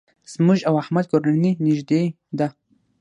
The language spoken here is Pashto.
زموږ او احمد کورنۍ نېږدې ده.